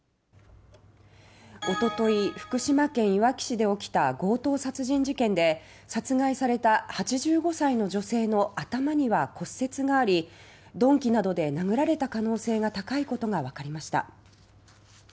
おととい福島県いわき市で起きた強盗殺人事件で殺害された８５歳の女性の頭には骨折があり鈍器などで殴られた可能性が高いことがわかりました。